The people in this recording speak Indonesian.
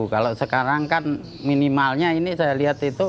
kalau sekarang kan minimalnya ini saya lihat itu